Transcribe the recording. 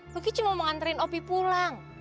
luki cuma mau nganterin opi pulang